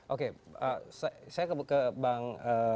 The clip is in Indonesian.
oke saya ke bang